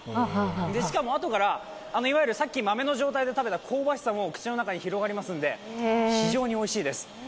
しかもあとからいわゆる、さっき豆の状態で食べた香ばしさも口の中に広がりますので、非常においしいです。